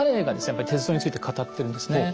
やっぱり鉄道について語ってるんですね。